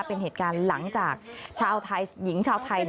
เป็นเหตุการณ์หลังจากชาวไทยหญิงชาวไทย